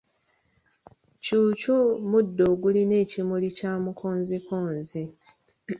Kyukyu muddo ogulina ekimuli kya Mukonzikonzi.